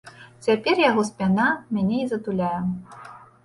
Цяпер яго спіна мяне не затуляе.